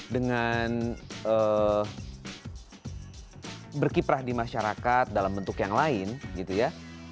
dengan berkiprah di masyarakat dalam bentuk yang lain gitu ya